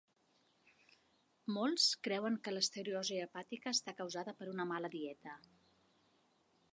Molts creuen que l'esteatosi hepàtica està causada per una mala dieta.